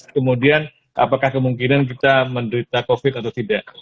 kemudian apakah kemungkinan kita menderita covid atau tidak